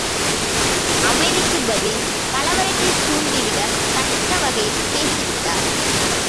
அமைதிக்குப் பதில் கலவரத்தைத் தூண்டிவிடத் தக்கவகையில் பேசிவிட்டார்!